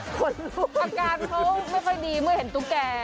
คนรู้อาการเขาไม่ค่อยดีเมื่อเห็นตุ๊กแก่